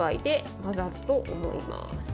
混ざると思います。